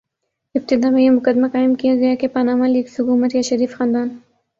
ابتدا میں یہ مقدمہ قائم کیا گیا کہ پاناما لیکس حکومت یا شریف خاندان